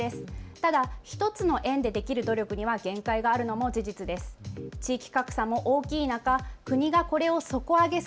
ただ、１つの園でできる努力には限界があるのも事実です。